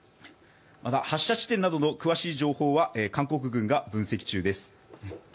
発射地点などの詳しい情報は韓国軍が分析中です。